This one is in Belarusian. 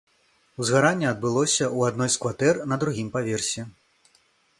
Узгаранне адбылося ў адной з кватэр на другім паверсе.